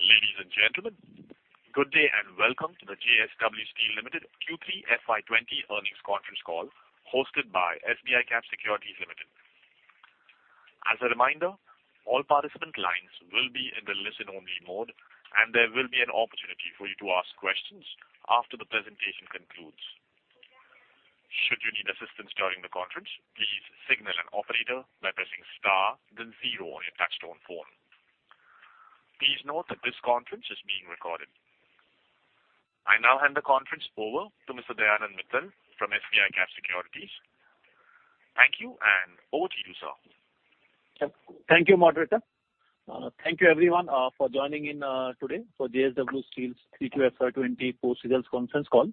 Ladies and gentlemen, good day and welcome to the JSW Steel Limited Q3 FY20 Earnings Conference Call hosted by SBICAP Securities Limited. As a reminder, all participant lines will be in the listen-only mode, and there will be an opportunity for you to ask questions after the presentation concludes. Should you need assistance during the conference, please signal an operator by pressing star, then zero on your touch-tone phone. Please note that this conference is being recorded. I now hand the conference over to Mr. Dayanand Mittal from SBICAP Securities. Thank you, and over to you, sir. Thank you, Moderator. Thank you, everyone, for joining in today for JSW Steel's Q3 FY20 Post-results Conference Call.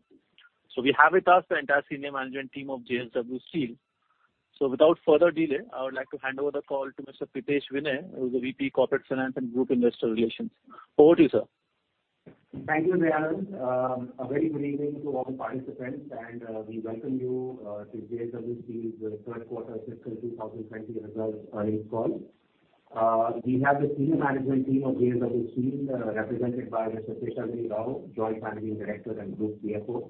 We have with us the entire senior management team of JSW Steel. Without further delay, I would like to hand over the call to Mr. Pritesh Vinay, who's the VP Corporate Finance and Group Investor Relations. Over to you, sir. Thank you, Dayanand. A very good evening to all the participants, and we welcome you to JSW Steel's Third-quarter Fiscal 2020 Results Earnings Call. We have the senior management team of JSW Steel represented by Mr. Seshagiri Rao, Joint Managing Director and Group CFO,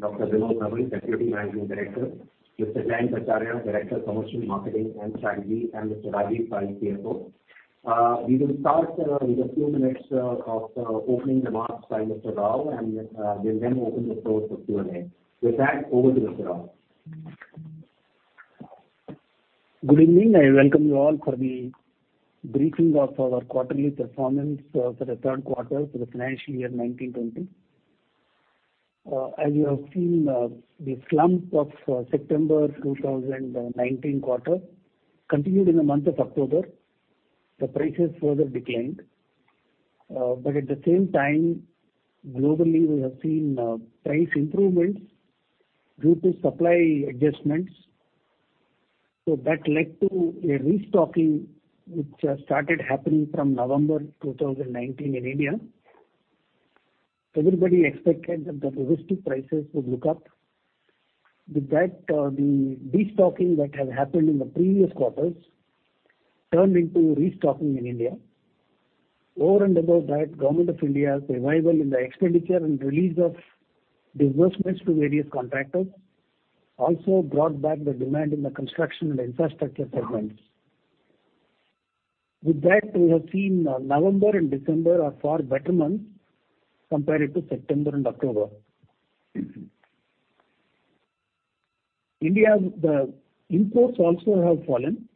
Mr. Vinod Nowal, Deputy Managing Director, Mr. Jayant Acharya, Director of Commercial, Marketing and Strategy, and Mr. Rajeev Pai, CFO. We will start with a few minutes of opening remarks by Mr. Rao, and we'll then open the floor for Q&A. With that, over to Mr. Rao. Good evening, and welcome you all for the briefing of our quarterly performance for the third quarter for the financial year 2019-2020. As you have seen, the slump of September 2019 quarter continued in the month of October. The prices further declined. At the same time, globally, we have seen price improvements due to supply adjustments. That led to a restocking, which started happening from November 2019 in India. Everybody expected that the resistance prices would look up. With that, the destocking that had happened in the previous quarters turned into restocking in India. Over and above that, Government of India's revival in the expenditure and release of disbursements to various contractors also brought back the demand in the construction and infrastructure segments. With that, we have seen November and December are far better months compared to September and October. India, the imports also have fallen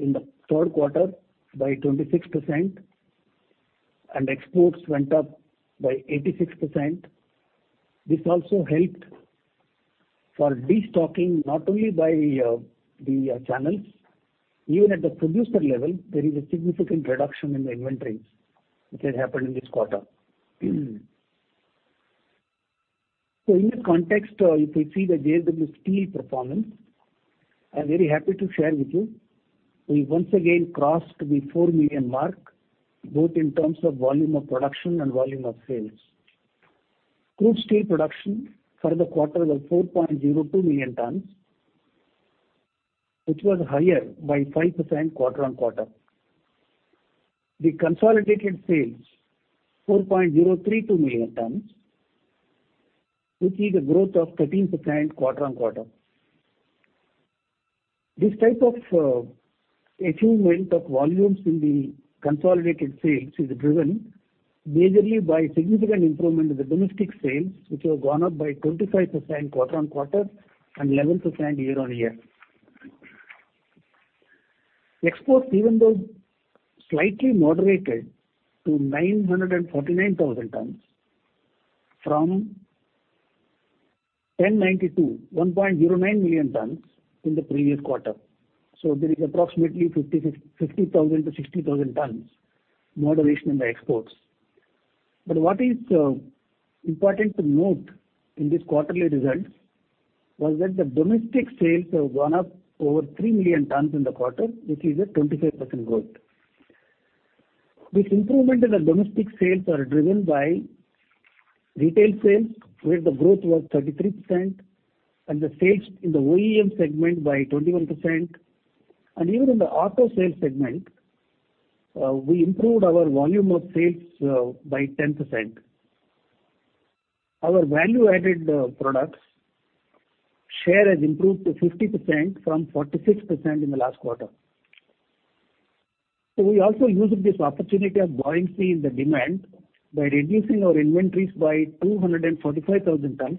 in the third quarter by 26%, and exports went up by 86%. This also helped for destocking, not only by the channels. Even at the producer level, there is a significant reduction in the inventories which has happened in this quarter. In this context, if we see the JSW Steel performance, I'm very happy to share with you, we once again crossed the 4 million mark, both in terms of volume of production and volume of sales. Crude steel production for the quarter was 4.02 million tons, which was higher by 5% quarter on quarter. The consolidated sales, 4.032 million tons, which is a growth of 13% quarter on quarter. This type of achievement of volumes in the consolidated sales is driven majorly by significant improvement in the domestic sales, which have gone up by 25% quarter on quarter and 11% year on year. Exports, even though slightly moderated to 949,000 tons from 1,092,000, 1.09 million tons in the previous quarter. There is approximately 50,000-60,000 tons moderation in the exports. What is important to note in these quarterly results was that the domestic sales have gone up over 3 million tons in the quarter, which is a 25% growth. This improvement in the domestic sales is driven by retail sales, where the growth was 33%, and the sales in the OEM segment by 21%. Even in the Auto Sales segment, we improved our volume of sales by 10%. Our value-added products share has improved to 50% from 46% in the last quarter. We also used this opportunity of buoyancy in the demand by reducing our inventories by 245,000 tons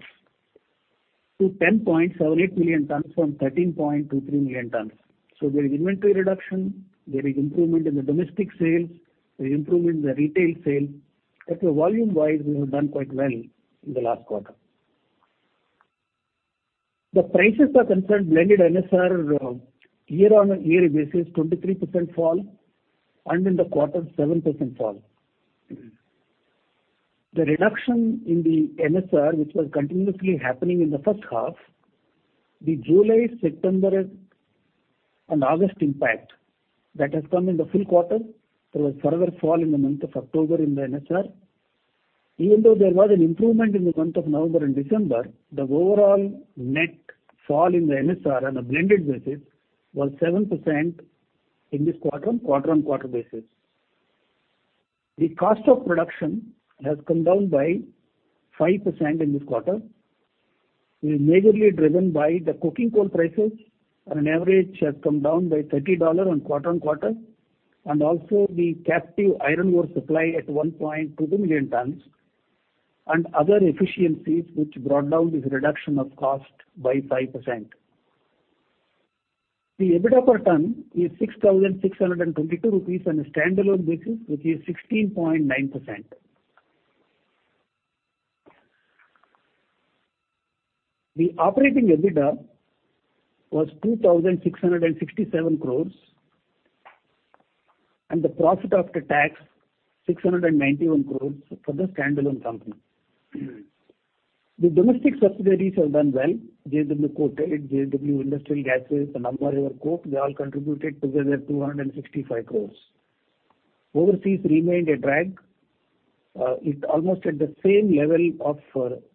to 10.78 million tons from 13.23 million tons. There is inventory reduction, there is improvement in the domestic sales, there is improvement in the retail sales. That's why volume-wise, we have done quite well in the last quarter. The prices are concerned blended NSR year-on-year basis, 23% fall, and in the quarter, 7% fall. The reduction in the NSR, which was continuously happening in the first half, the July, September, and August impact that has come in the full quarter, there was further fall in the month of October in the NSR. Even though there was an improvement in the month of November and December, the overall net fall in the NSR on a blended basis was 7% in this quarter on quarter on quarter basis. The cost of production has come down by 5% in this quarter, majorly driven by the coking coal prices, and an average has come down by $30 on quarter on quarter. The captive iron ore supply at 1.22 million tons and other efficiencies brought down this reduction of cost by 5%. The EBITDA per ton is 6,622 rupees on a standalone basis, which is 16.9%. The operating EBITDA was 2,667, and the profit after tax was 691 for the standalone company. The domestic subsidiaries have done well. JSW Coated, JSW Industrial Gases, and Amba River Coke, they all contributed together 265. Overseas remained a drag. It almost had the same level of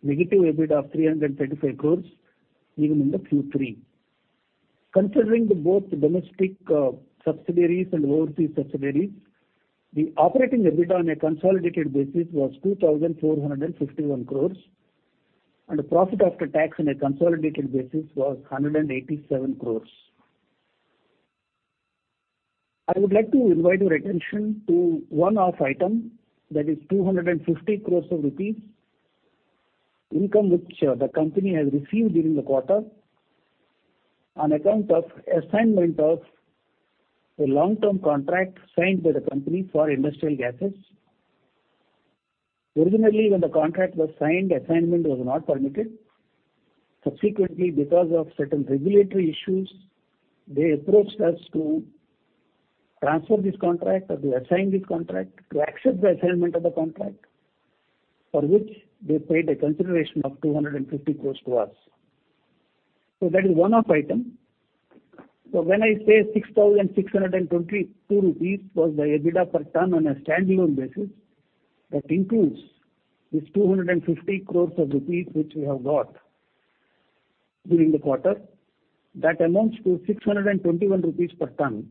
negative EBITDA of 335, even in the Q3. Considering both domestic subsidiaries and overseas subsidiaries, the operating EBITDA on a consolidated basis was 2,451, and the profit after tax on a consolidated basis was 187. I would like to invite your attention to one-off item that is 250 of income which the company has received during the quarter on account of assignment of a long-term contract signed by the company for industrial gases. Originally, when the contract was signed, assignment was not permitted. Subsequently, because of certain regulatory issues, they approached us to transfer this contract or to accept the assignment of the contract, for which they paid a consideration of 250 to us. That is one-off item. When I say 6,622 rupees was the EBITDA per ton on a standalone basis, that includes this 250 which we have got during the quarter. That amounts to 621 rupees per ton.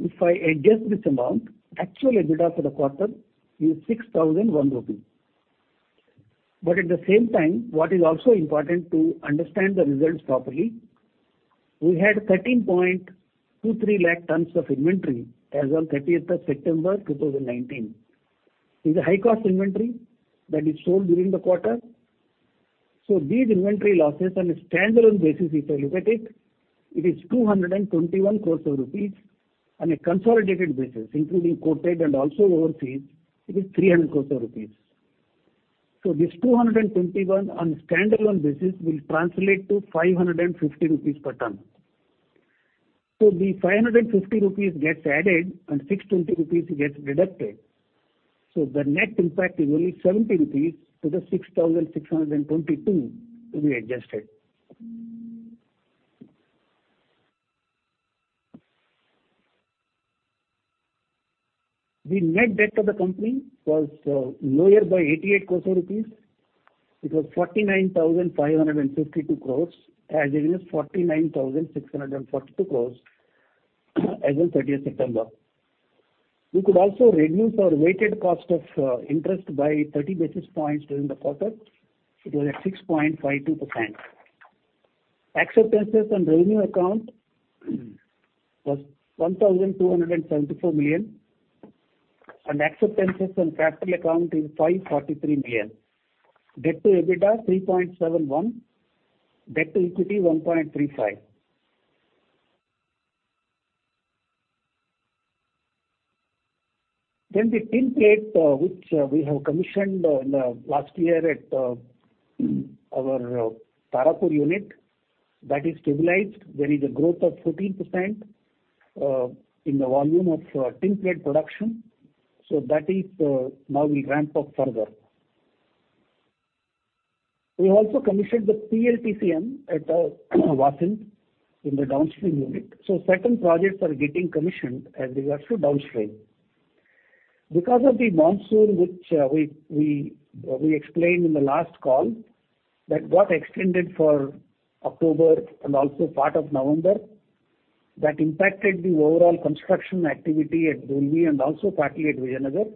If I adjust this amount, actual EBITDA for the quarter is 6,001 rupees. At the same time, what is also important to understand the results properly, we had 13.23 lakh tons of inventory as of 30th of September 2019. It is a high-cost inventory that is sold during the quarter. These inventory losses on a standalone basis, if I look at it, it is 221. On a consolidated basis, including coated and also overseas, it is 300. This 221 on a standalone basis will translate to 550 rupees per ton. The 550 rupees gets added, and 620 rupees gets deducted. The net impact is only 70 rupees to the 6,622 to be adjusted. The net debt of the company was lower by 88, which was 49,552, as it is 49,642 as of 30th September. We could also reduce our weighted cost of interest by 30 basis points during the quarter. It was at 6.52%. Acceptances on revenue account was 1,274 million, and acceptances on capital account is 543 million. Debt to EBITDA 3.71, debt to equity 1.35. The tinplate which we have commissioned last year at our Tarapur unit, that is stabilized. There is a growth of 14% in the volume of tinplate production. That now will ramp up further. We also commissioned the PLTCM at Vasind in the downstream unit. Certain projects are getting commissioned as regards to downstream. Because of the monsoon which we explained in the last call, that got extended for October and also part of November, that impacted the overall construction activity at Dolvi and also partly at Vijayanagar.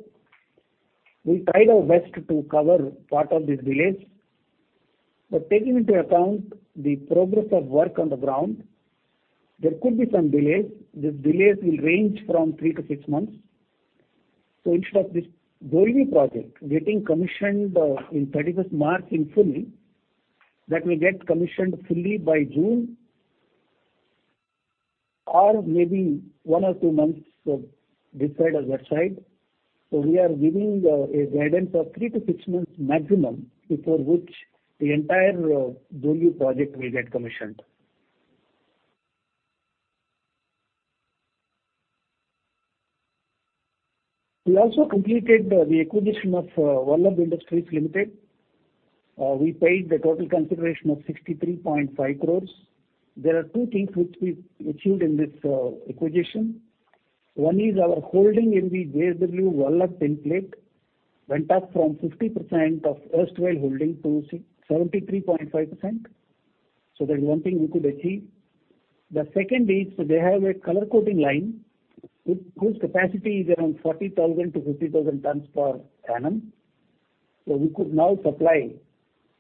We tried our best to cover part of these delays. Taking into account the progress of work on the ground, there could be some delays. These delays will range from three to six months. Instead of this Dolvi project getting commissioned in 31 March in full, that will get commissioned fully by June, or maybe one or two months this side or that side. We are giving a guidance of three to six months maximum, before which the entire Dolvi project will get commissioned. We also completed the acquisition of Vardhan Industries Limited. We paid the total consideration of 63.5 crore. There are two things which we achieved in this acquisition. One is our holding in the JSW Vallabh Tinplate went up from 50% of erstwhile holding to 73.5%. That is one thing we could achieve. The second is they have a color coating line, whose capacity is around 40,000-50,000 tons per annum. We could now supply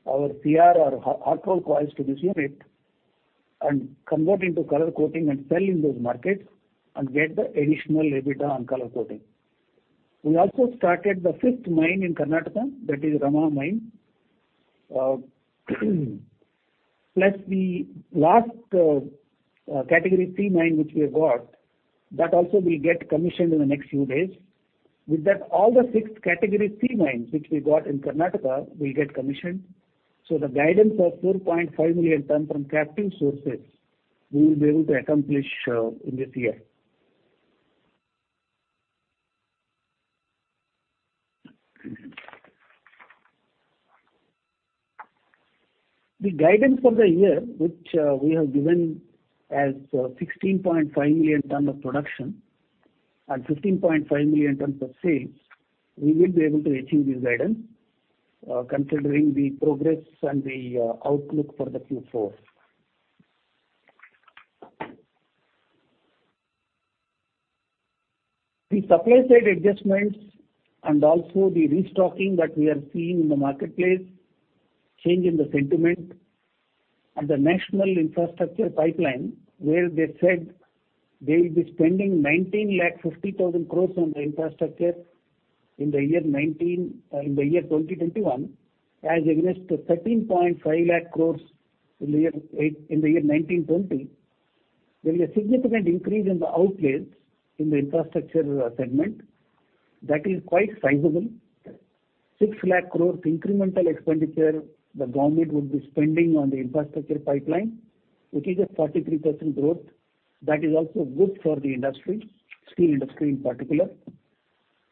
our CR or hot rolled coils to this unit and convert into color coating and sell in those markets and get the additional EBITDA on color coating. We also started the fifth mine in Karnataka, that is Rama Mine. Plus the last Category C mine which we have got, that also will get commissioned in the next few days. With that, all the six Category C mines which we got in Karnataka will get commissioned. The guidance of 4.5 million tons from captive sources, we will be able to accomplish in this year. The guidance for the year, which we have given as 16.5 million tons of production and 15.5 million tons of sales, we will be able to achieve this guidance, considering the progress and the outlook for the Q4. The supply side adjustments and also the restocking that we are seeing in the marketplace changed the sentiment of the National Infrastructure Pipeline, where they said they will be spending 19.5 on the infrastructure in the year 2021, as against the 13.5 in the year 2019-2020. There is a significant increase in the outlays in the infrastructure segment. That is quite sizable. 600,000,000,000 incremental expenditure the government would be spending on the infrastructure pipeline, which is a 43% growth. That is also good for the industry, steel industry in particular.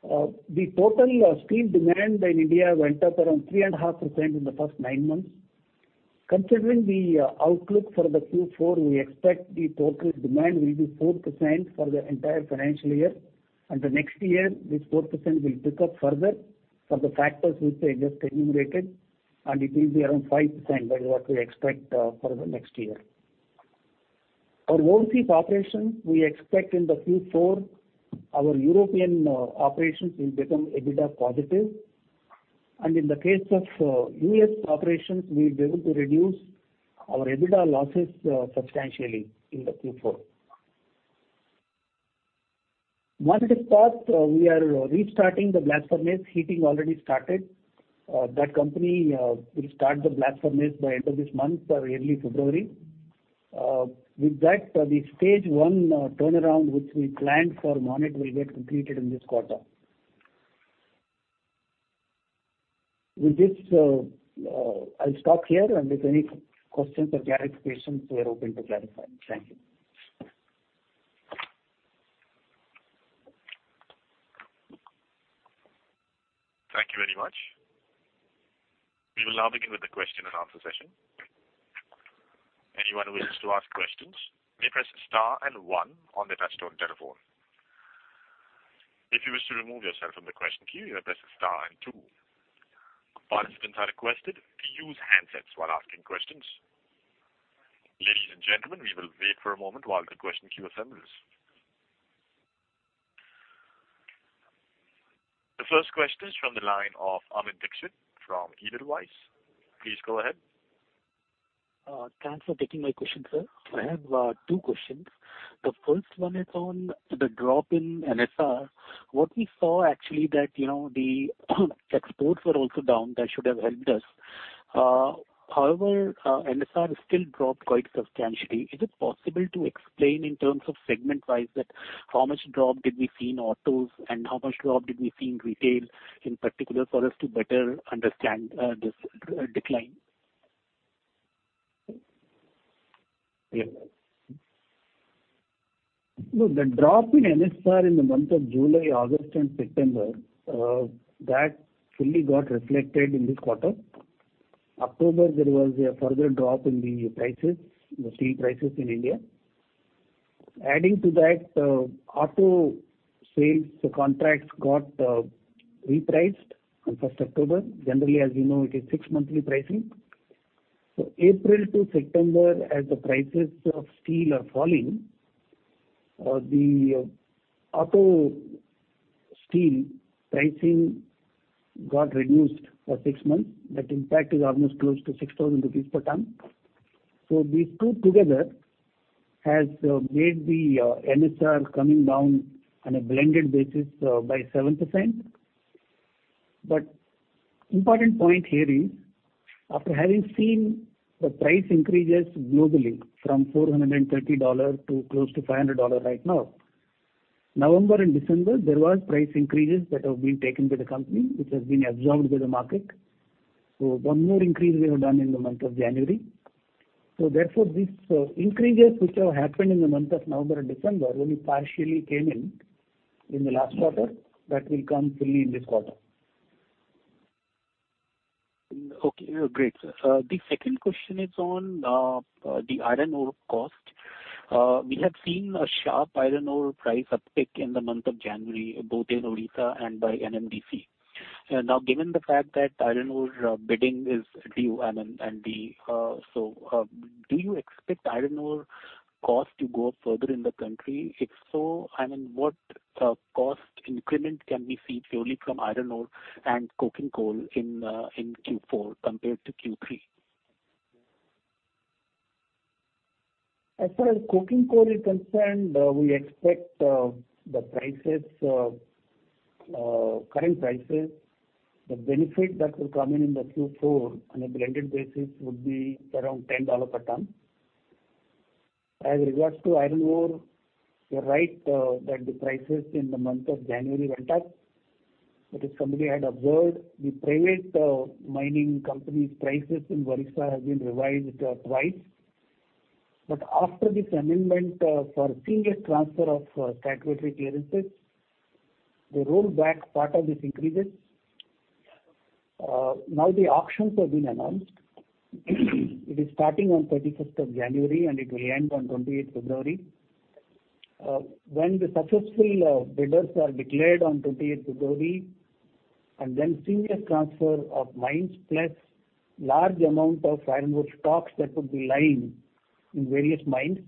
The total steel demand in India went up around 3.5% in the first nine months. Considering the outlook for the Q4, we expect the total demand will be 4% for the entire financial year. The next year, this 4% will pick up further for the factors which I just enumerated, and it will be around 5%, that is what we expect for the next year. For overseas operations, we expect in Q4, our European operations will become EBITDA positive. In the case of U.S. operations, we will be able to reduce our EBITDA losses substantially in Q4. Monnet Ispat, we are restarting the blast furnace. Heating already started. That company will start the blast furnace by end of this month or early February. With that, the stage one turnaround, which we planned for Monnet, will get completed in this quarter. With this, I'll stop here, and if any questions or clarifications, we are open to clarify. Thank you. Thank you very much. We will now begin with the question and answer session. Anyone who wishes to ask questions may press star and one on the touchtone telephone. If you wish to remove yourself from the question queue, you may press star and two. Participants are requested to use handsets while asking questions. Ladies and gentlemen, we will wait for a moment while the question queue assembles. The first question is from the line of Amit Dixit from Edelweiss. Please go ahead. Thanks for taking my question, sir. I have two questions. The first one is on the drop in NSR. What we saw actually is that the exports were also down. That should have helped us. However, NSR still dropped quite substantially. Is it possible to explain in terms of segment-wise that how much drop did we see in autos and how much drop did we see in retail in particular for us to better understand this decline? Look, the drop in NSR in the month of July, August, and September, that fully got reflected in this quarter. October, there was a further drop in the prices, the steel prices in India. Adding to that, Auto Sales contracts got repriced on October 1st. Generally, as you know, it is six-monthly pricing. April to September, as the prices of steel are falling, the auto steel pricing got reduced for six months. That impact is almost close to 6,000 rupees per ton. These two together have made the NSR coming down on a blended basis by 7%. The important point here is, after having seen the price increases globally from $430 to close to $500 right now, November and December, there were price increases that have been taken by the company, which has been absorbed by the market. One more increase we have done in the month of January. Therefore, these increases which have happened in the month of November and December only partially came in in the last quarter. That will come fully in this quarter. Okay. Great. The second question is on the iron ore cost. We have seen a sharp iron ore price uptick in the month of January, both in Odisha and by NMDC. Now, given the fact that iron ore bidding is real, I mean, and the. Do you expect iron ore cost to go up further in the country? If so, I mean, what cost increment can we see purely from iron ore and coking coal in Q4 compared to Q3? As far as coking coal is concerned, we expect the current prices, the benefit that will come in in the Q4 on a blended basis would be around $10 per ton. As regards to iron ore, you're right that the prices in the month of January went up. If somebody had observed, the private mining company's prices in Odisha have been revised twice. After this amendment for seamless transfer of statutory clearances, they rolled back part of these increases. Now, the auctions have been announced. It is starting on 31st of January, and it will end on 28th February. When the successful bidders are declared on 28th February, and then seamless transfer of mines plus large amount of iron ore stocks that would be lying in various mines,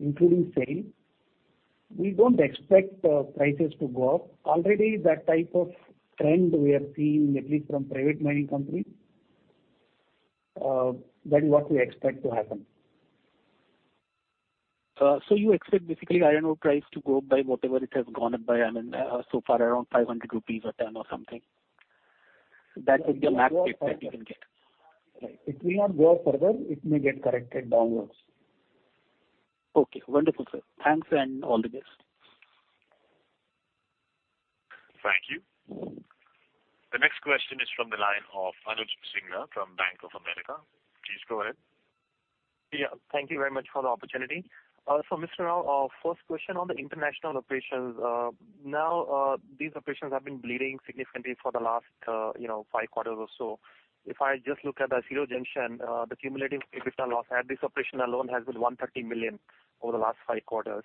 including sale, we don't expect prices to go up. Already, that type of trend we have seen, at least from private mining companies. That is what we expect to happen. You expect basically iron ore price to go up by whatever it has gone up by, I mean, so far around 500 rupees a ton or something. That would be a max rate that you can get? It will not go up further. It may get corrected downwards. Okay. Wonderful, sir. Thanks and all the best. Thank you. The next question is from the line of Anuj Singla from Bank of America. Please go ahead. Yeah. Thank you very much for the opportunity. Mr. Rao, first question on the international operations. Now, these operations have been bleeding significantly for the last five quarters or so. If I just look at the Acero Junction, the cumulative EBITDA loss at this operation alone has been 130 million over the last five quarters.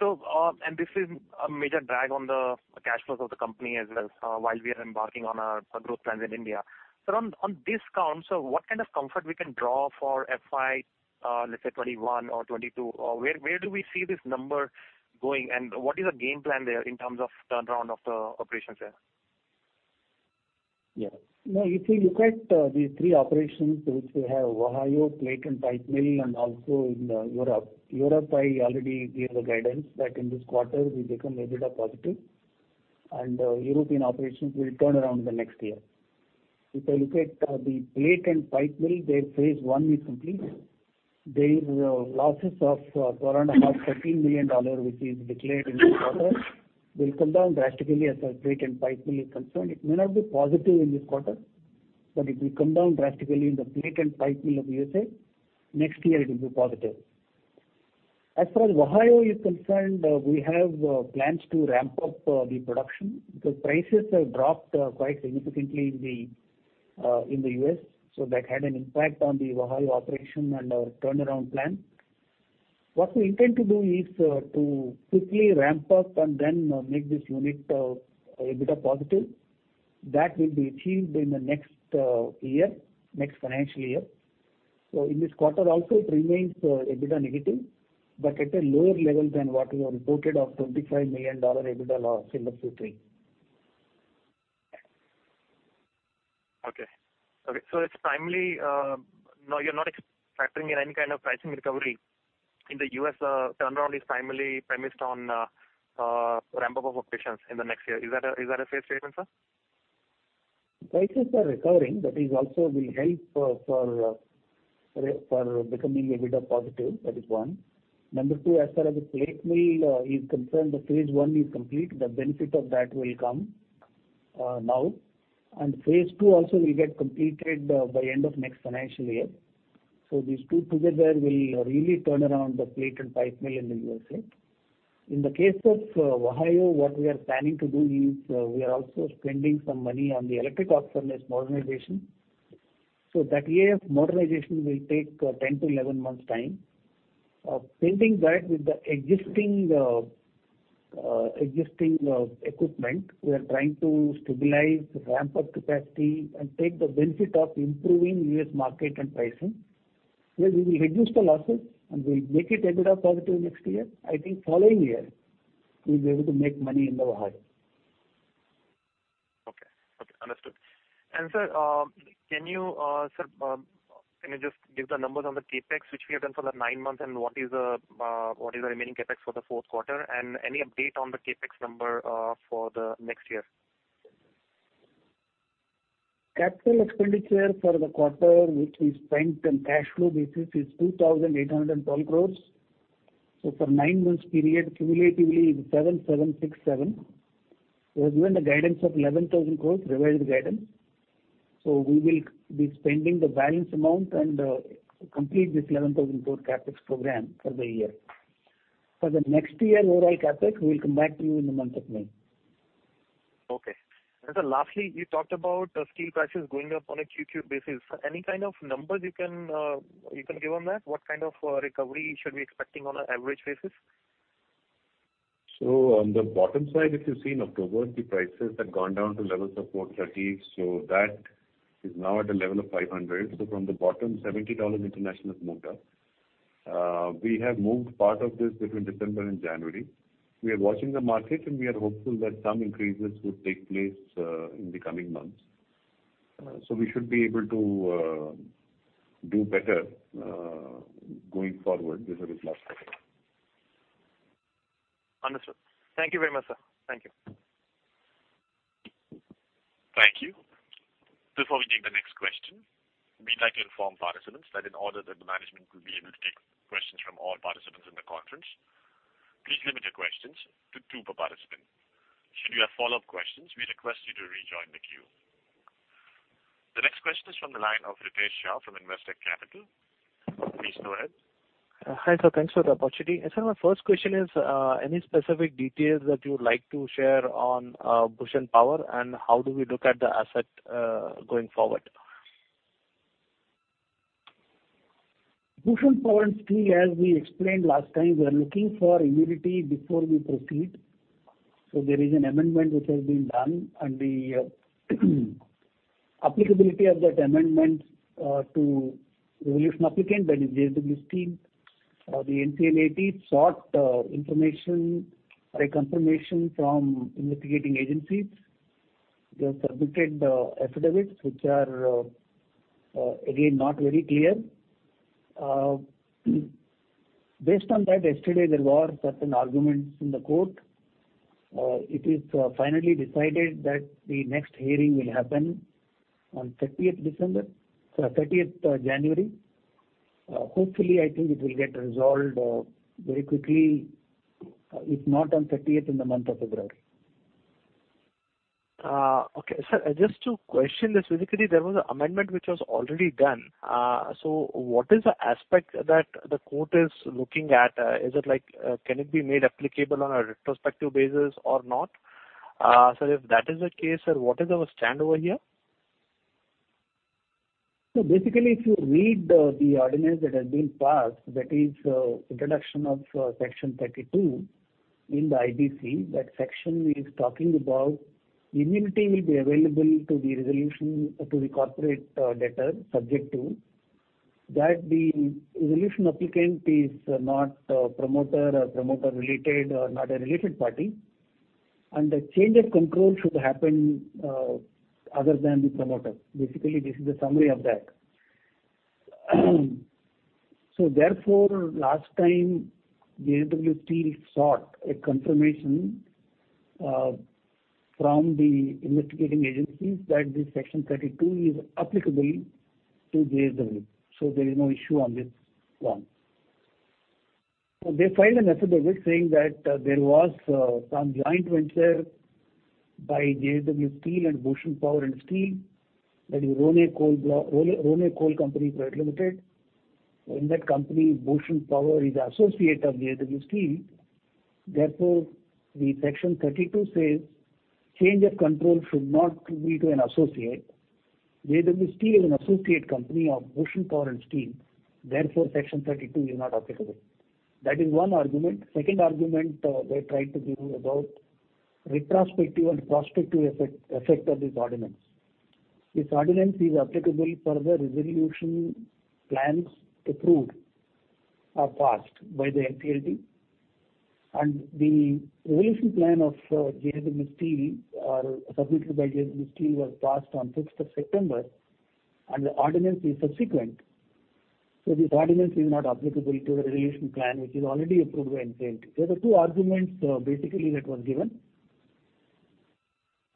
This is a major drag on the cash flows of the company as well while we are embarking on our growth plans in India. On this count, what kind of comfort can we draw for FY 2021 or 2022? Where do we see this number going? What is the game plan there in terms of turnaround of the operations there? Yeah. No, you see, you cut the three operations which we have: Ohio, Plate and Pipe Mill, and also in Europe. Europe, I already gave a guidance that in this quarter, we become EBITDA positive. European operations will turn around in the next year. If I look at the Plate and Pipe Mill, their phase one is complete. Their losses of around about $13 million, which is declared in this quarter, will come down drastically as far as Plate and Pipe Mill is concerned. It may not be positive in this quarter, but it will come down drastically in the Plate and Pipe Mill of US. Next year, it will be positive. As far as Ohio is concerned, we have plans to ramp up the production because prices have dropped quite significantly in the US. That had an impact on the Ohio operation and our turnaround plan. What we intend to do is to quickly ramp up and then make this unit EBITDA positive. That will be achieved in the next year, next financial year. In this quarter, also, it remains EBITDA negative, but at a lower level than what we have reported of $25 million EBITDA loss in the Q3. Okay. Okay. So it's primarily you're not factoring in any kind of pricing recovery. In the U.S., turnaround is primarily premised on ramp-up of operations in the next year. Is that a fair statement, sir? Prices are recovering, but it also will help for becoming EBITDA positive. That is one. Number two, as far as the plate mill is concerned, the phase one is complete. The benefit of that will come now. Phase two also will get completed by end of next financial year. These two together will really turn around the Plate and Pipe Mill in the U.S. In the case of Ohio, what we are planning to do is we are also spending some money on the Electric Arc Furnace modernization. That EAF modernization will take 10-11 months' time. Building that with the existing equipment, we are trying to stabilize, ramp up capacity, and take the benefit of improving U.S. market and pricing, where we will reduce the losses and will make it EBITDA positive next year. I think following year, we'll be able to make money in the Ohio. Okay. Okay. Understood. Sir, can you just give the numbers on the CAPEX, which we have done for the nine months, and what is the remaining CAPEX for the fourth quarter? Any update on the CAPEX number for the next year? Capital expenditure for the quarter, which we spent on cash flow basis, is 2,812 crore. For the nine months' period, cumulatively, it is 7,767 crore. We have given a guidance of 11,000 crore revised guidance. We will be spending the balance amount and complete this 11,000 crore CAPEX program for the year. For next year's overall CAPEX, we will come back to you in the month of May. Okay. Sir, lastly, you talked about steel prices going up on a QoQ basis. Any kind of numbers you can give on that? What kind of recovery should we expect on an average basis? On the bottom side, if you've seen October, the prices had gone down to levels of $430. That is now at a level of $500. From the bottom, $70 international quote. We have moved part of this between December and January. We are watching the market, and we are hopeful that some increases would take place in the coming months. We should be able to do better going forward with this last quarter. Understood. Thank you very much, sir. Thank you. Thank you. Before we take the next question, we'd like to inform participants that in order that the management will be able to take questions from all participants in the conference, please limit your questions to two per participant. Should you have follow-up questions, we request you to rejoin the queue. The next question is from the line of Ritesh Shah from Investec Capital. Please go ahead. Hi, sir. Thanks for the opportunity. Sir, my first question is, any specific details that you would like to share on Bhushan Power and how do we look at the asset going forward? Bhushan Power and Steel, as we explained last time, we are looking for immunity before we proceed. There is an amendment which has been done. The applicability of that amendment to the resolution applicant, that is JSW Steel, the NCLAT sought information or a confirmation from investigating agencies. They have submitted affidavits, which are, again, not very clear. Based on that, yesterday, there were certain arguments in the court. It is finally decided that the next hearing will happen on 30th January. Hopefully, I think it will get resolved very quickly, if not on 30th in the month of February. Okay. Sir, just to question this. Basically, there was an amendment which was already done. What is the aspect that the court is looking at? Is it like can it be made applicable on a retrospective basis or not? Sir, if that is the case, sir, what is our stand over here? If you read the ordinance that has been passed, that is introduction of Section 32 in the IBC, that section is talking about immunity will be available to the resolution to the corporate debtor subject to that the resolution applicant is not a promoter or promoter-related or not a related party. The change of control should happen other than the promoter. Basically, this is the summary of that. Therefore, last time, JSW Steel sought a confirmation from the investigating agencies that this Section 32 is applicable to JSW. There is no issue on this one. They filed an affidavit saying that there was some joint venture by JSW Steel and Bhushan Power and Steel that is Rohne Coal Company Private Limited. In that company, Bhushan Power is an associate of JSW Steel. Therefore, Section 32 says, "Change of control should not be to an associate." JSW Steel is an associate company of Bhushan Power and Steel. Therefore, Section 32 is not applicable. That is one argument. Second argument they tried to do about retrospective and prospective effect of this ordinance. This ordinance is applicable for the resolution plans approved or passed by the NCLT. The resolution plan of JSW Steel or submitted by JSW Steel was passed on 6th of September. The ordinance is subsequent. This ordinance is not applicable to the resolution plan, which is already approved by NCLT. There are two arguments basically that were given.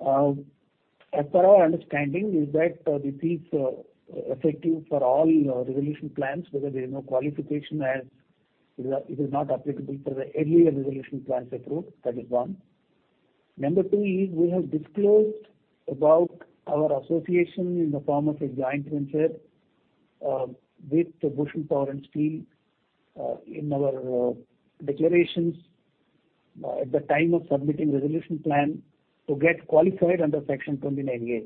As per our understanding, this is effective for all resolution plans because there is no qualification as it is not applicable for the earlier resolution plans approved. That is one. Number two is we have disclosed about our association in the form of a joint venture with Bhushan Power and Steel in our declarations at the time of submitting resolution plan to get qualified under Section 29A.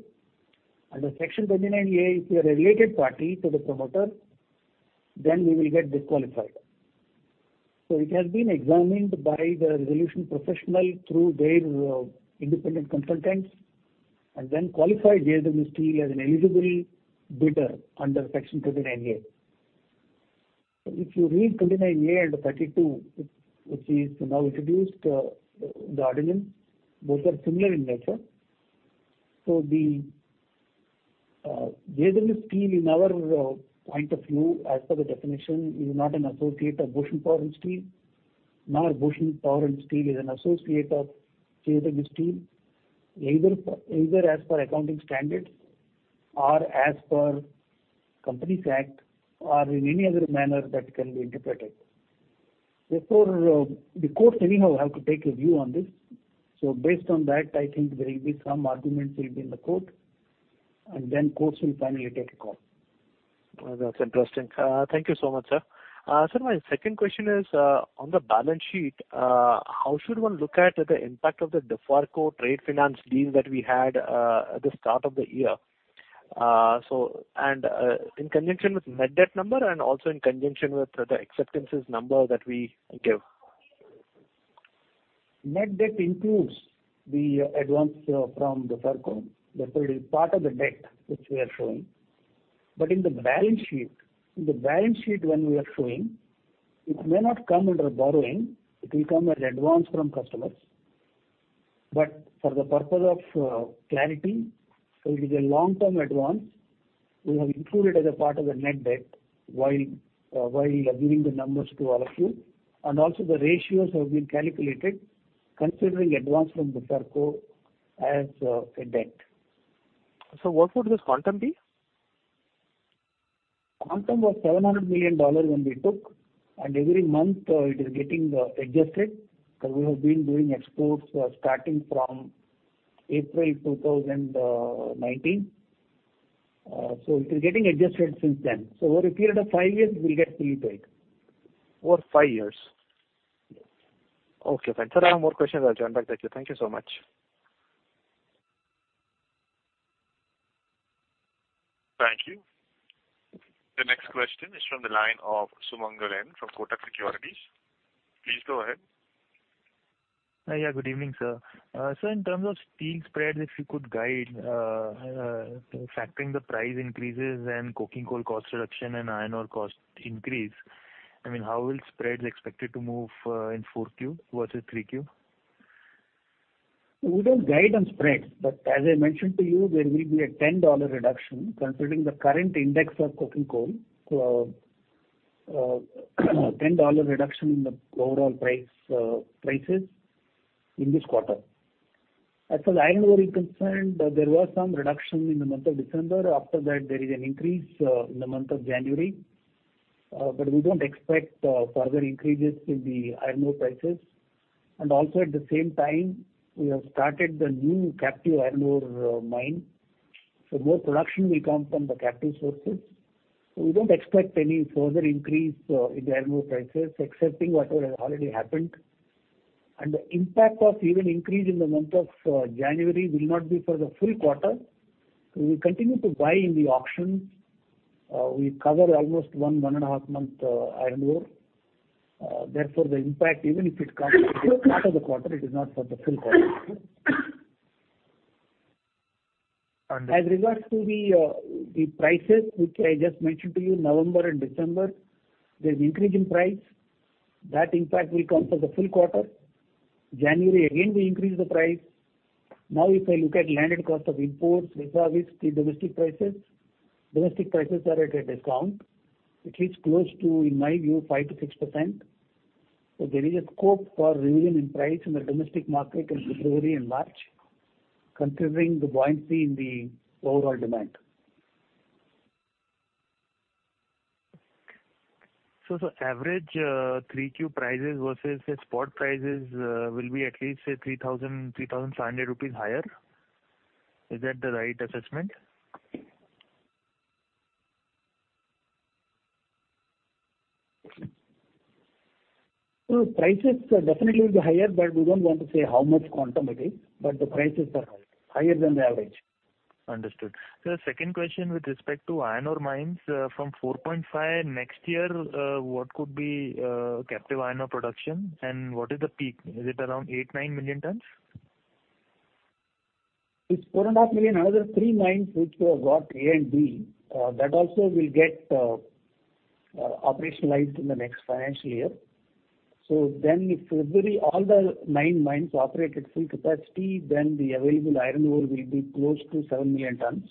Under Section 29A, if we are a related party to the promoter, then we will get disqualified. It has been examined by the resolution professional through their independent consultants and then qualified JSW Steel as an eligible bidder under Section 29A. If you read 29A and 32, which is now introduced in the ordinance, both are similar in nature. JSW Steel, in our point of view, as per the definition, is not an associate of Bhushan Power and Steel. Nor Bhushan Power and Steel is an associate of JSW Steel, either as per accounting standards or as per Companies Act or in any other manner that can be interpreted. Therefore, the courts anyhow have to take a view on this. Based on that, I think there will be some arguments in the court. The courts will finally take a call. That's interesting. Thank you so much, sir. Sir, my second question is, on the balance sheet, how should one look at the impact of the Duferco trade finance deal that we had at the start of the year? In conjunction with net debt number and also in conjunction with the acceptances number that we give? Net debt includes the advance from Duferco. That's already part of the debt which we are showing. In the balance sheet, when we are showing, it may not come under borrowing. It will come as advance from customers. For the purpose of clarity, it is a long-term advance we have included as a part of the net debt while giving the numbers to all of you. Also, the ratios have been calculated considering advance from Duferco as a debt. What would this quantum be? Quantum was $700 million when we took. Every month, it is getting adjusted because we have been doing exports starting from April 2019. It is getting adjusted since then. Over a period of five years, it will get fully paid. Okay. Thank you. I have more questions. I'll join back to you. Thank you so much. Thank you. The next question is from the line of Sumangal Nevatia from Kotak Securities. Please go ahead. Hi, yeah. Good evening, sir. Sir, in terms of steel spreads, if you could guide, factoring the price increases and coking coal cost reduction and iron ore cost increase, I mean, how will spreads expected to move in 4Q versus 3Q? We will guide on spreads. As I mentioned to you, there will be a $10 reduction considering the current index of coking coal. $10 reduction in the overall prices in this quarter. As for the iron ore concerned, there was some reduction in the month of December. After that, there is an increase in the month of January. We do not expect further increases in the iron ore prices. Also, at the same time, we have started the new captive iron ore mine. More production will come from the captive sources. We do not expect any further increase in the iron ore prices, accepting whatever has already happened. The impact of even increase in the month of January will not be for the full quarter. We will continue to buy in the auctions. We cover almost one and a half months iron ore. Therefore, the impact, even if it comes as part of the quarter, it is not for the full quarter. As regards to the prices, which I just mentioned to you, November and December, there is an increase in price. That impact will come for the full quarter. January, again, we increase the price. Now, if I look at landed cost of imports, with all these domestic prices, domestic prices are at a discount. It is close to, in my view, 5-6%. So there is a scope for revision in price in the domestic market in February and March, considering the buoyancy in the overall demand. Average Q3 prices versus spot prices will be at least 3,000-3,500 rupees higher. Is that the right assessment? Prices definitely will be higher, but we don't want to say how much quantum it is. The prices are higher than the average. Understood. Sir, second question with respect to iron ore mines. From 4.5 next year, what could be captive iron ore production? What is the peak? Is it around 8-9 million tons? It is 4.5 million. Another three mines which we have got here in Bellary, that also will get operationalized in the next financial year. If all the nine mines operate at full capacity, the available iron ore will be close to 7 million tons.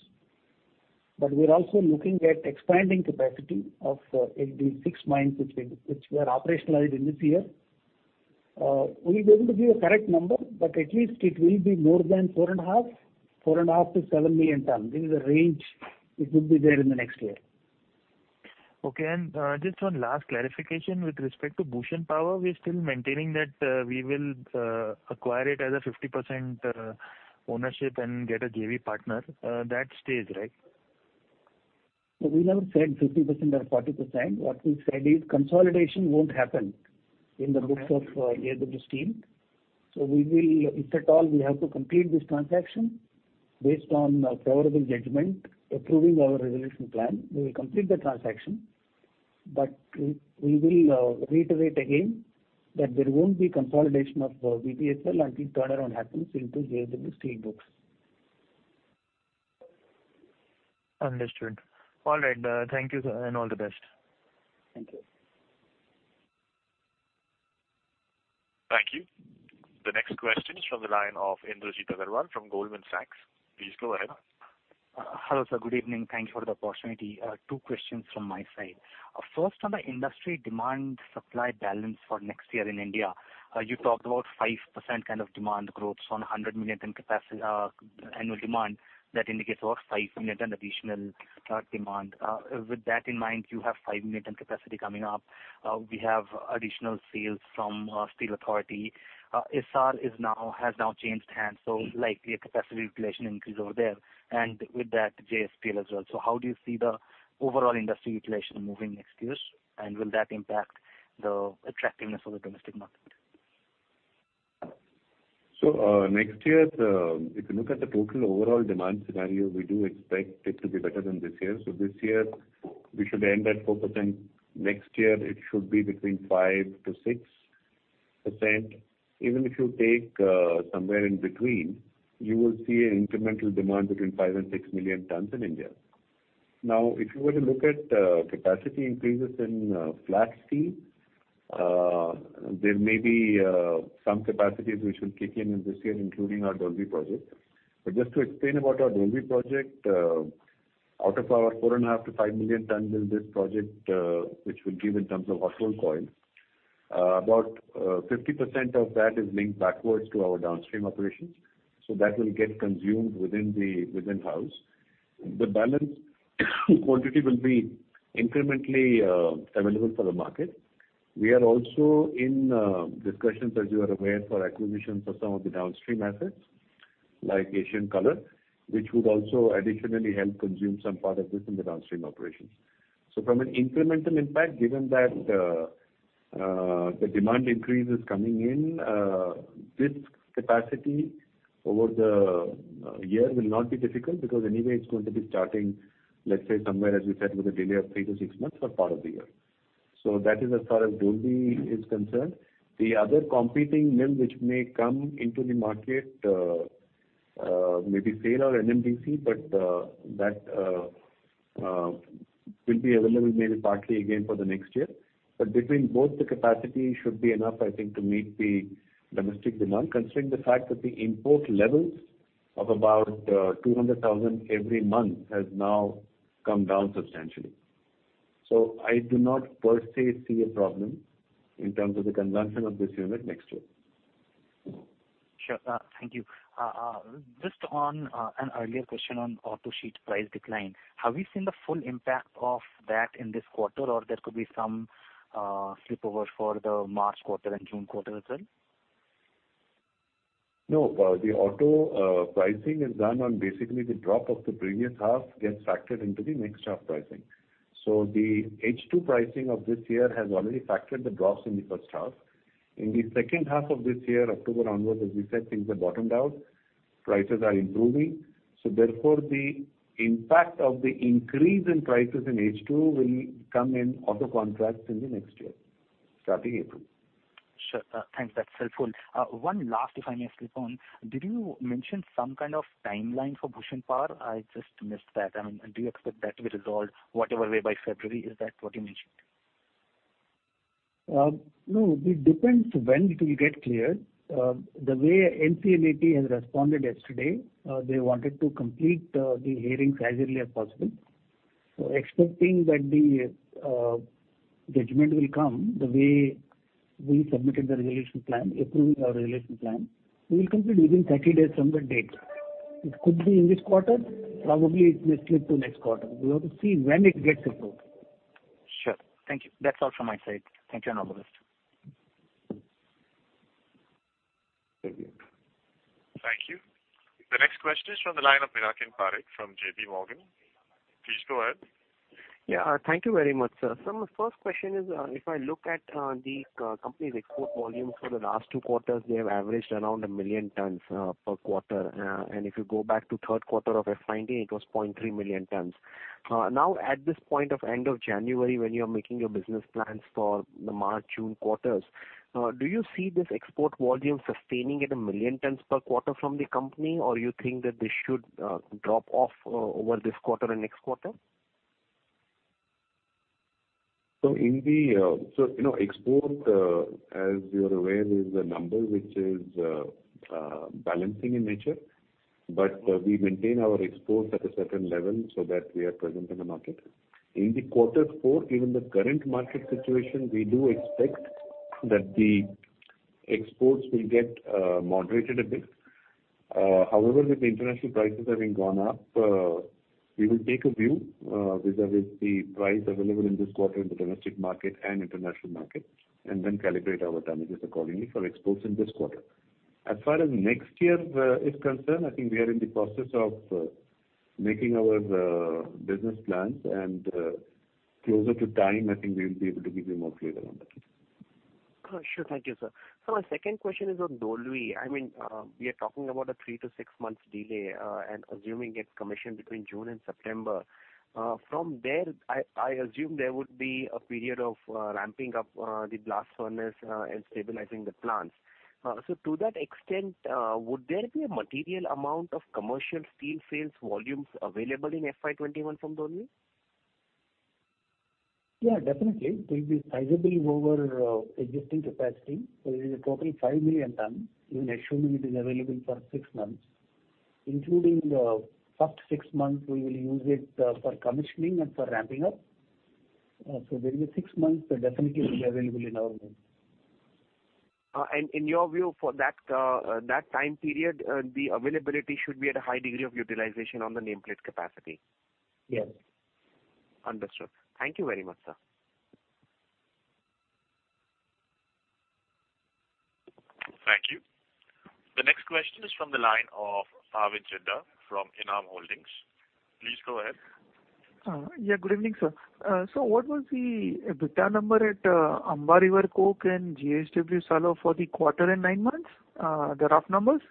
We are also looking at expanding capacity of the six mines which were operationalized in this year. We will be able to give a correct number, but at least it will be more than 4.5, 4.5-7 million tons. This is the range it will be there in the next year. Okay. Just one last clarification with respect to Bhushan Power. We are still maintaining that we will acquire it as a 50% ownership and get a JV partner. That stays, right? We never said 50% or 40%. What we said is consolidation won't happen in the books of JSW Steel. If at all, we have to complete this transaction based on favorable judgment, approving our resolution plan, we will complete the transaction. We will reiterate again that there won't be consolidation of BPSL until turnaround happens into JSW Steel books. Understood. All right. Thank you, sir, and all the best. Thank you. Thank you. The next question is from the line of Indrajit Agarwal from Goldman Sachs. Please go ahead. Hello, sir. Good evening. Thank you for the opportunity. Two questions from my side. First, on the industry demand supply balance for next year in India, you talked about 5% kind of demand growth on 100 million ton annual demand. That indicates about 5 million ton additional demand. With that in mind, you have 5 million ton capacity coming up. We have additional sales from Steel Authority. Essar has now changed hands, so likely a capacity utilization increase over there. With that, JSPL as well. How do you see the overall industry utilization moving next year? Will that impact the attractiveness of the domestic market? Next year, if you look at the total overall demand scenario, we do expect it to be better than this year. This year, we should end at 4%. Next year, it should be between 5-6%. Even if you take somewhere in between, you will see an incremental demand between 5 and 6 million tons in India. Now, if you were to look at capacity increases in flat steel, there may be some capacities which will kick in in this year, including our Dolvi project. Just to explain about our Dolvi project, out of our 4.5-5 million tons in this project, which will be in terms of hot rolled coil, about 50% of that is linked backwards to our downstream operations. That will get consumed within-house. The balance quantity will be incrementally available for the market. We are also in discussions, as you are aware, for acquisitions of some of the downstream assets, like Asian Colour, which would also additionally help consume some part of this in the downstream operations. From an incremental impact, given that the demand increase is coming in, this capacity over the year will not be difficult because anyway, it is going to be starting, let's say, somewhere, as we said, with a delay of three to six months for part of the year. That is as far as Dolvi is concerned. The other competing mill which may come into the market may be Steel Authority of India Limited or NMDC, but that will be available maybe partly again for the next year. Between both, the capacity should be enough, I think, to meet the domestic demand, considering the fact that the import levels of about 200,000 every month have now come down substantially. I do not per se see a problem in terms of the consumption of this unit next year. Sure. Thank you. Just on an earlier question on auto sheet price decline, have we seen the full impact of that in this quarter? Or there could be some slipover for the March quarter and June quarter as well? No. The auto pricing is done on basically the drop of the previous half gets factored into the next half pricing. The H2 pricing of this year has already factored the drops in the first half. In the second half of this year, October onwards, as we said, things have bottomed out. Prices are improving. Therefore, the impact of the increase in prices in H2 will come in auto contracts in the next year, starting April. Sure. Thanks. That's helpful. One last, if I may slip on, did you mention some kind of timeline for Bhushan Power? I just missed that. I mean, do you expect that to be resolved whatever way by February? Is that what you mentioned? No. It depends when it will get cleared. The way NCLAT has responded yesterday, they wanted to complete the hearings as early as possible. Expecting that the judgment will come the way we submitted the resolution plan, approving our resolution plan, we will complete within 30 days from the date. It could be in this quarter. Probably it may slip to next quarter. We have to see when it gets approved. Sure. Thank you. That's all from my side. Thank you, Anuj Singla. Thank you. The next question is from the line of Pinakin Parekh from JPMorgan. Please go ahead. Thank you very much, sir. My first question is, if I look at the company's export volumes for the last two quarters, they have averaged around 1 million tons per quarter. If you go back to the third quarter of FY2019, it was 0.3 million tons. At this point at the end of January, when you are making your business plans for the March and June quarters, do you see this export volume sustaining at 1 million tons per quarter from the company? Or do you think that they should drop off over this quarter and next quarter? Export, as you are aware, is a number which is balancing in nature. We maintain our exports at a certain level so that we are present in the market. In quarter four, given the current market situation, we do expect that the exports will get moderated a bit. However, with the international prices having gone up, we will take a view vis-à-vis the price available in this quarter in the domestic market and international market, and then calibrate our tonnages accordingly for exports in this quarter. As far as next year is concerned, I think we are in the process of making our business plans. Closer to time, I think we will be able to give you more clearer on that. Sure. Thank you, sir. My second question is on Dolvi. I mean, we are talking about a three- to six-month delay and assuming it is commissioned between June and September. From there, I assume there would be a period of ramping up the blast furnace and stabilizing the plants. To that extent, would there be a material amount of commercial steel sales volumes available in FY21 from Dolvi? Yeah, definitely. It will be sizable over existing capacity. It is a total 5 million tons, even assuming it is available for six months. Including the first six months, we will use it for commissioning and for ramping up. There is a six months that definitely will be available in our view. In your view, for that time period, the availability should be at a high degree of utilization on the nameplate capacity? Yes. Understood. Thank you very much, sir. Thank you. The next question is from the line of Bhavin Chheda from Enam Holdings. Please go ahead. Yeah. Good evening, sir. What was the EBITDA number at Amba River Coke and BPSL for the quarter and nine months, the rough numbers?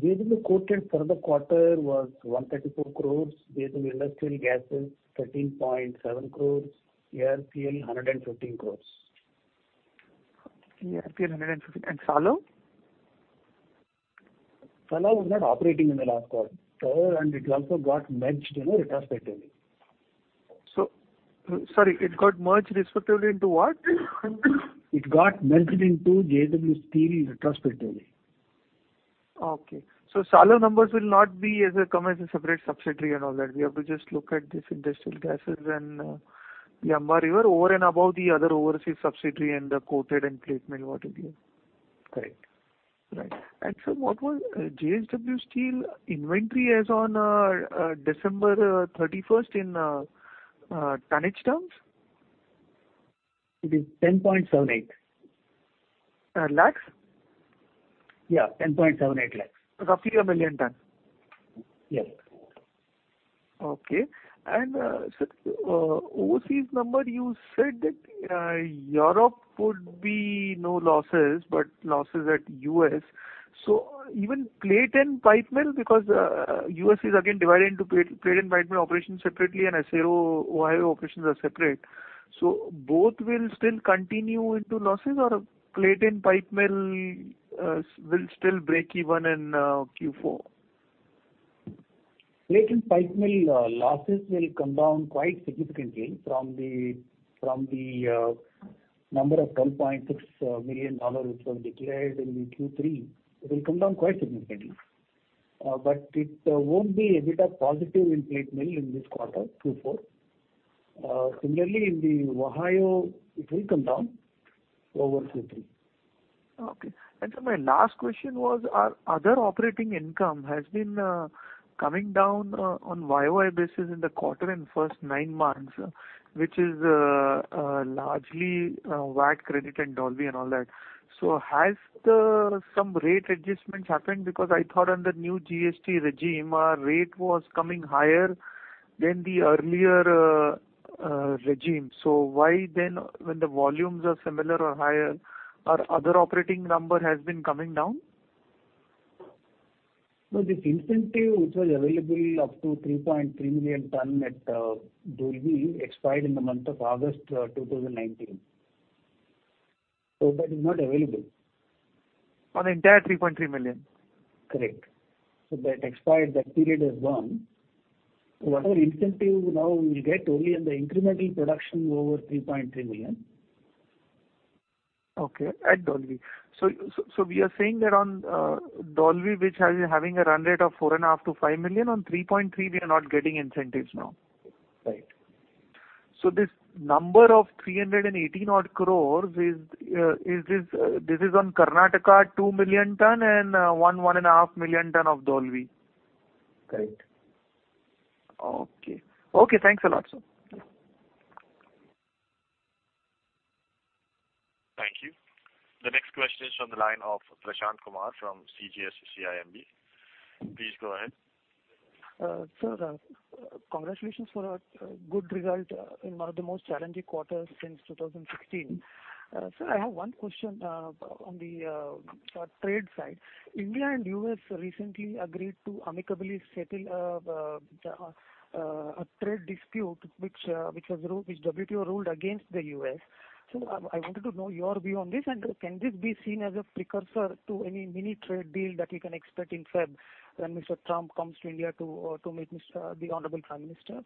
Based on the quarter, for the quarter was 134 crore. Based on the industrial gases, 13.7 crore. 115 crore. [Airfield], 115. And Salav? Salav was not operating in the last quarter. It also got merged retrospectively. Sorry, it got merged respectively into what? It got merged into JSW Steel retrospectively. Okay. Salav numbers will not come as a separate subsidiary and all that. We have to just look at this industrial gases and the Amba River over and above the other overseas subsidiary and the coated and plate mill, what is it? Correct. Right. What was JSW Steel inventory as on December 31 in tonnage terms? It is 10.78. Lakhs? Yeah, 10.78 lakhs. Roughly a million tons? Yes. Okay. Overseas number, you said that Europe would be no losses, but losses at US. Even plate and pipe mill, because U.S. is again divided into plate and pipe mill operations separately and Ohio operations are separate. Both will still continue into losses or plate and pipe mill will still break even in Q4? Plate and pipe mill losses will come down quite significantly from the number of $12.6 million which was declared in Q3. It will come down quite significantly. It will not be a bit of positive in plate mill in this quarter, Q4. Similarly, in Ohio, it will come down over Q3. Okay. My last question was, our other operating income has been coming down on year-on-year basis in the quarter and first nine months, which is largely VAT credit and Dolvi and all that. Has some rate adjustments happened? I thought under new GST regime, rate was coming higher than the earlier regime. Why then, when the volumes are similar or higher, is our other operating number coming down? This incentive which was available up to 3.3 million ton at Dolvi expired in the month of August 2019. That is not available. On the entire 3.3 million? Correct. That expired, that period has gone. Whatever incentive now we'll get only on the incremental production over 3.3 million. Okay. At Dolvi. We are saying that on Dolvi, which is having a run rate of 4.5-5 million, on 3.3, we are not getting incentives now? Right. This number of 318 crore, this is on Karnataka, 2 million ton, and 1-1.5 million ton of Dolvi? Correct. Okay. Okay. Thanks a lot, sir. Thank you. The next question is from the line of Kumar Prashant from CGS-CIMB. Please go ahead. Sir, congratulations for a good result in one of the most challenging quarters since 2016. Sir, I have one question on the trade side. India and U.S. recently agreed to amicably settle a trade dispute which WTO ruled against the U.S. I wanted to know your view on this. Can this be seen as a precursor to any mini trade deal that we can expect in February when Mr. Trump comes to India to meet the Honorable Prime Minister?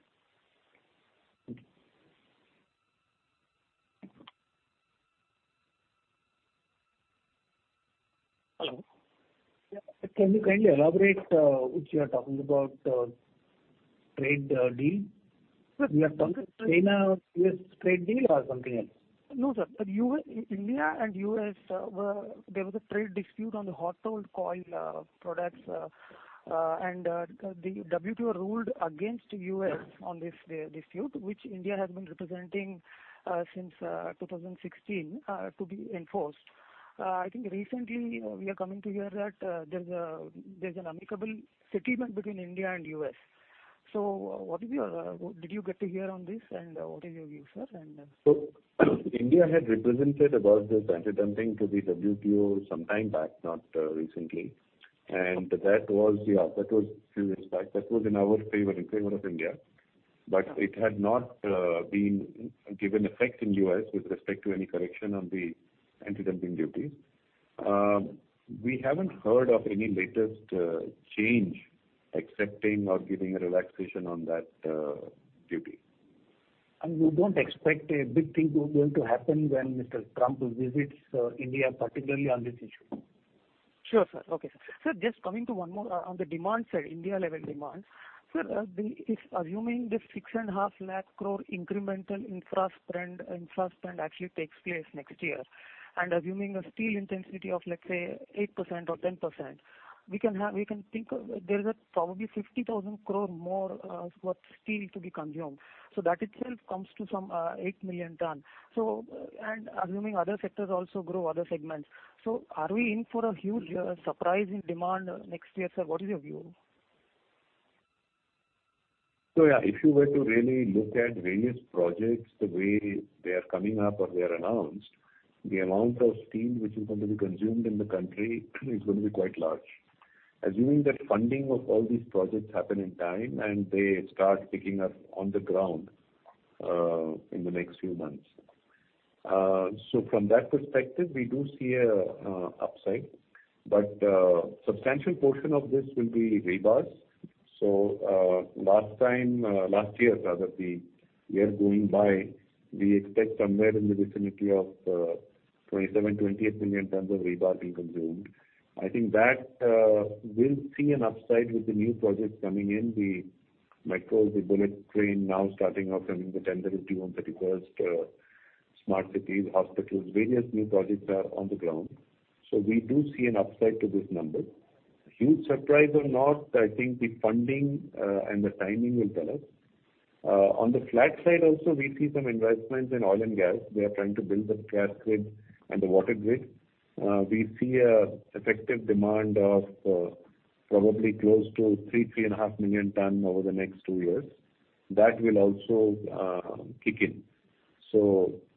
Can you kindly elaborate which you are talking about, trade deal? Are we talking China-US trade deal or something else? No, sir. India and U.S., there was a trade dispute on the hot rolled coil products. The WTO ruled against U.S. on this dispute, which India has been representing since 2016 to be enforced. I think recently we are coming to hear that there's an amicable settlement between India and U.S. Did you get to hear on this? What is your view, sir? India had represented about this anti-dumping to the WTO sometime back, not recently. That was, yeah, that was a few years back. That was in our favor, in favor of India. It had not been given effect in the U.S. with respect to any correction on the anti-dumping duties. We have not heard of any latest change accepting or giving a relaxation on that duty. We do not expect a big thing to happen when Mr. Trump visits India, particularly on this issue. Sure, sir. Okay. Just coming to one more on the demand side, India-level demands. Sir, assuming this 6.5 lakh crore incremental infrastructure actually takes place next year, and assuming a steel intensity of, let's say, 8% or 10%, we can think there's probably 50,000 crore more worth of steel to be consumed. That itself comes to some 8 million ton. Assuming other sectors also grow, other segments. Are we in for a huge surprise in demand next year, sir? What is your view? If you were to really look at various projects the way they are coming up or they are announced, the amount of steel which is going to be consumed in the country is going to be quite large. Assuming that funding of all these projects happen in time and they start picking up on the ground in the next few months. From that perspective, we do see an upside. A substantial portion of this will be rebars. Last year, rather, the year going by, we expect somewhere in the vicinity of 27-28 million tons of rebar being consumed. I think that will see an upside with the new projects coming in, the micro, the bullet train now starting off, I mean, the Tender is due on 31st, smart cities, hospitals, various new projects are on the ground. We do see an upside to this number. Huge surprise or not, I think the funding and the timing will tell us. On the flat side also, we see some investments in oil and gas. They are trying to build the gas grid and the water grid. We see an effective demand of probably close to 3-3.5 million ton over the next two years. That will also kick in.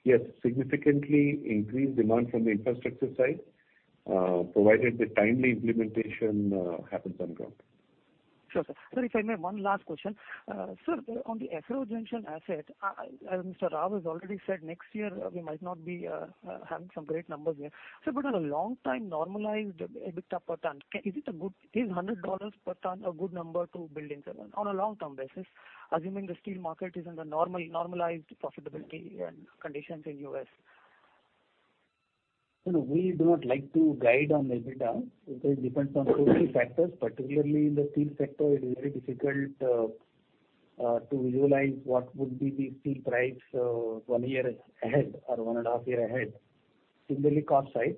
Yes, significantly increased demand from the infrastructure side, provided the timely implementation happens on ground. Sure, sir. Sorry, if I may, one last question. Sir, on the Acero junction asset, Mr. Rao has already said next year we might not be having some great numbers here. Sir, but on a long-time normalized EBITDA per ton, is $100 per ton a good number to build into on a long-term basis, assuming the steel market is in the normalized profitability and conditions in the U.S.? You know, we do not like to guide on EBITDA because it depends on two or three factors. Particularly in the steel sector, it is very difficult to visualize what would be the steel price one year ahead or one and a half year ahead, similarly cost side.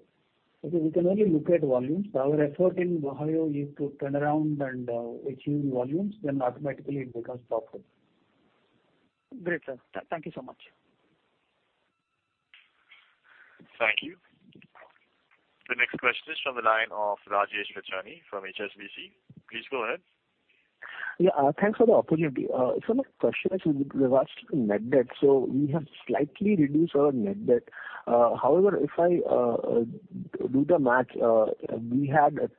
Because we can only look at volumes. Our effort in Ohio is to turn around and achieve volumes, then automatically it becomes profitable. Great, sir. Thank you so much. Thank you. The next question is from the line of Rajesh Lachhani from HSBC. Please go ahead. Yeah. Thanks for the opportunity. Sir, my question is with regards to the net debt. We have slightly reduced our net debt. However, if I do the math, we had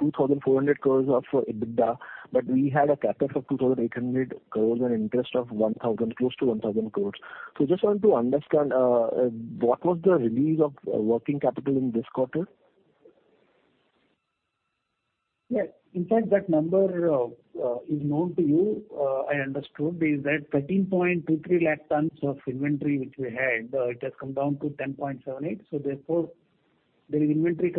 2,400 crore of EBITDA, but we had a CapEx of 2,800 crore and interest of close to 1,000 crore. I just wanted to understand, what was the release of working capital in this quarter? Yes. In fact, that number is known to you. I understood is that 13.23 lakh tons of inventory which we had, it has come down to 10.78. Therefore, there is inventory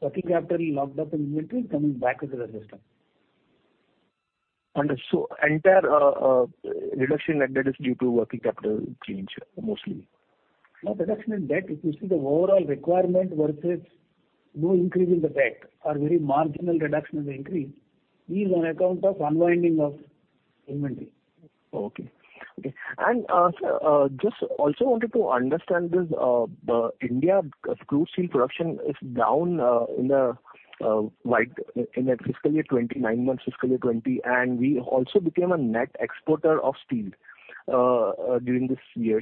working capital locked up in inventory coming back into the system. Understood. The entire reduction in net debt is due to working capital change mostly? Not reduction in debt. It is the overall requirement versus no increase in the debt or very marginal reduction in the increase is on account of unwinding of inventory. Okay. Okay. I just also wanted to understand this. India's crude steel production is down in the fiscal year 2020, nine months fiscal year 2020. We also became a net exporter of steel during this year.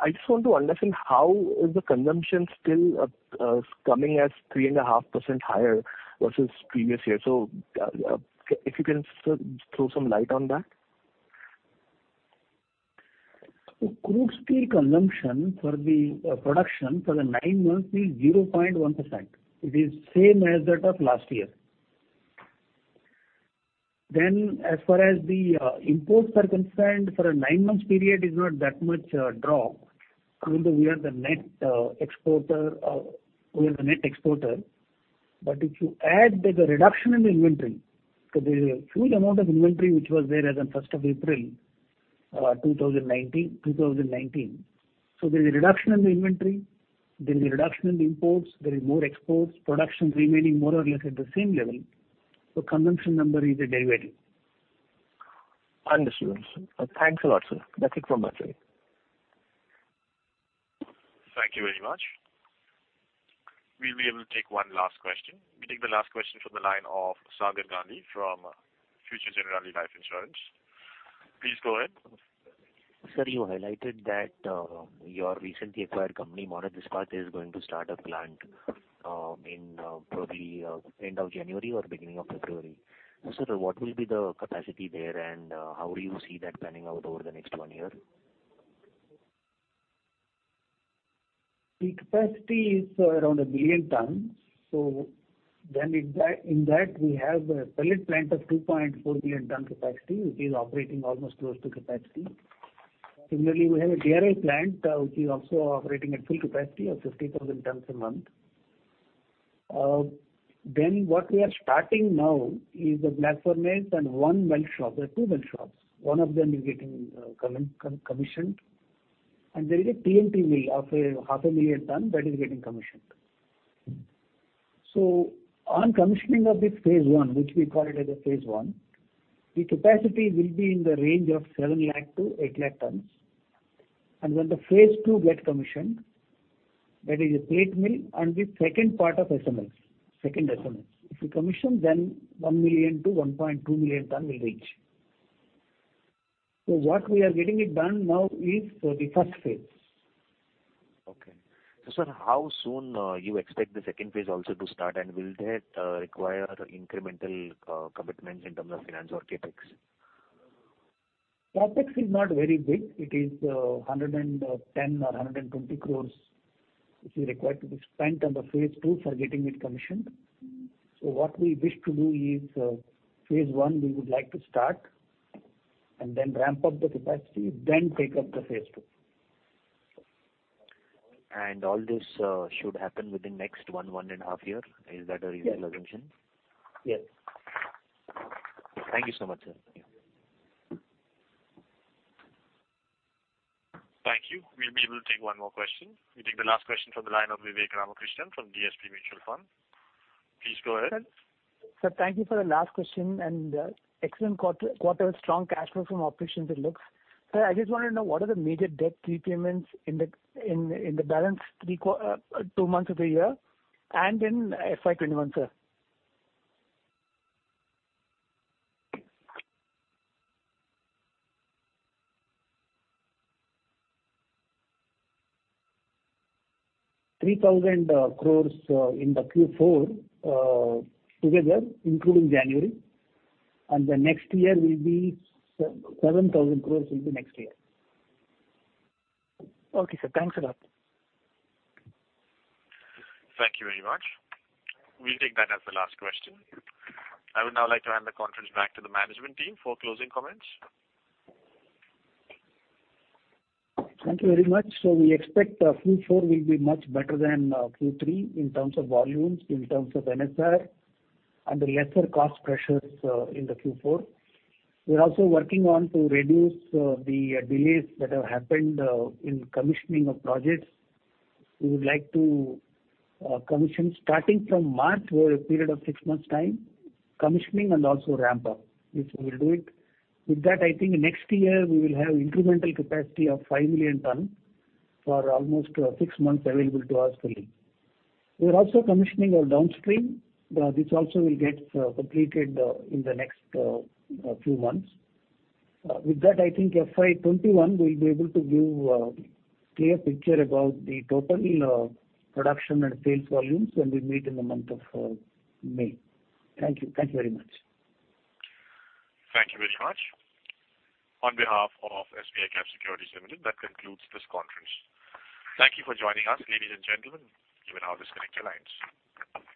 I just want to understand how is the consumption still coming as 3.5% higher versus previous year? If you can throw some light on that? Crude steel consumption for the production for the nine months is 0.1%. It is same as that of last year. As far as the import circumstance for a nine-month period is not that much drop, even though we are the net exporter. We are the net exporter. If you add the reduction in the inventory, because there is a huge amount of inventory which was there as of 1st of April 2019. There is a reduction in the inventory. There is a reduction in the imports. There is more exports. Production remaining more or less at the same level. Consumption number is a derivative. Understood. Thanks a lot, sir. That's it from my side. Thank you very much. We'll be able to take one last question. We'll take the last question from the line of Sagar Gandhi from Future Generali Life Insurance. Please go ahead. Sir, you highlighted that your recently acquired company, Monnet Ispat, is going to start a plant in probably end of January or beginning of February. Sir, what will be the capacity there and how do you see that panning out over the next one year? The capacity is around 1 million tons. In that, we have a pellet plant of 2.4 million ton capacity, which is operating almost close to capacity. Similarly, we have a DRI plant which is also operating at full capacity of 50,000 tons a month. What we are starting now is a blast furnace and one melt shop, two melt shops. One of them is getting commissioned. There is a TMT mill of 500,000 tons that is getting commissioned. On commissioning of this phase one, which we call phase one, the capacity will be in the range of 700,000-800,000 tons. When phase two gets commissioned, that is a plate mill and the second part of SMS, second SMS. If we commission, then 1 million-1.2 million tons will be reached. What we are getting it done now is the first phase. Okay. Sir, how soon do you expect the second phase also to start? Will that require incremental commitments in terms of finance or CapEx? CapEx is not very big. It is 110 crore or 120 crore which is required to be spent on the phase two for getting it commissioned. What we wish to do is phase one, we would like to start and then ramp up the capacity, then take up the phase two. All this should happen within next one, one and a half year? Is that a reasonable assumption? Yes. Thank you so much, sir. Thank you. We'll be able to take one more question. We'll take the last question from the line of Vivek Ramakrishnan from DSP Mutual Fund. Please go ahead. Sir, thank you for the last question. An excellent quarter, strong cash flow from operations, it looks. Sir, I just wanted to know what are the major debt repayments in the balance two months of the year and in FY2021, sir? 3,000 crores in the Q4 together, including January. The next year will be 7,000 crores will be next year. Okay, sir. Thanks a lot. Thank you very much. We'll take that as the last question. I would now like to hand the conference back to the management team for closing comments. Thank you very much. We expect Q4 will be much better than Q3 in terms of volumes, in terms of NSR, and the lesser cost pressures in Q4. We are also working to reduce the delays that have happened in commissioning of projects. We would like to commission starting from March for a period of six months' time, commissioning and also ramp up. This will do it. With that, I think next year we will have incremental capacity of 5 million ton for almost six months available to us fully. We are also commissioning our downstream. This also will get completed in the next few months. With that, I think FY21, we will be able to give a clear picture about the total production and sales volumes when we meet in the month of May. Thank you. Thank you very much. Thank you very much. On behalf of SBICap Securities Limited, that concludes this conference. Thank you for joining us, ladies and gentlemen. You may now disconnect your lines.